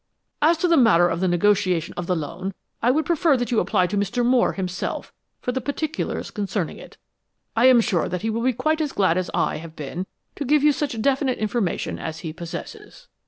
As to the matter of the negotiation of the loan, I would prefer that you apply to Mr. Moore himself for the particulars concerning it. I am sure that he will be quite as glad as I have been to give you such definite information as he possesses."